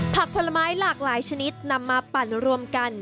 ผลไม้หลากหลายชนิดนำมาปั่นรวมกัน